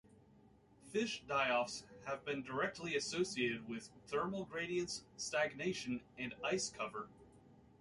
Fish die-offs have been directly associated with thermal gradients, stagnation, and ice cover.